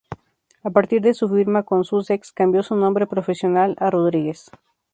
A partir de su firma con Sussex cambió su nombre profesional a Rodríguez.